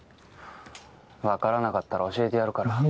わからなかったら教えてやるから。